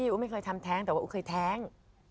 อุ๊ไม่เคยทำแท้งแต่ว่าอู๋เคยแท้ง